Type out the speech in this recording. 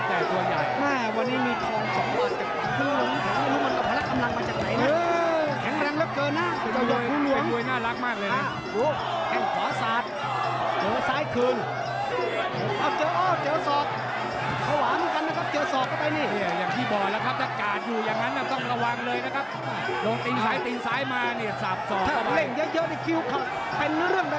ทำเขาเยอะโดนหักแบบนี้ไม่ดีเหมือนกันนะน้ำเงินดาบิชิต